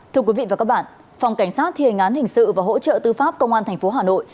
thưa quý vị và các bạn phòng cảnh sát thi hành án hình sự và hỗ trợ tư pháp công an tp hà nội